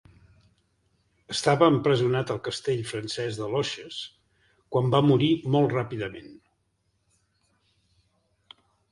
Estava empresonat al castell francès de Loches, quan va morir molt ràpidament.